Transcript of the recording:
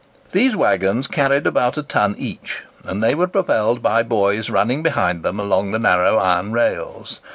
These waggons carried about a ton each, and they were propelled by boys running behind them along the narrow iron rails.